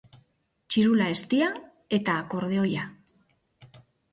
Txirula eztia eta akordeoia.